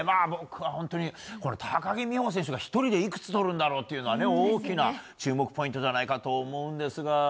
本当に、高木美帆選手が１人でいくつとるんだろうというのは大きな注目ポイントじゃないかと思うんですが。